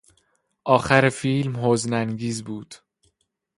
آخر فیلم حزن انگیز بود.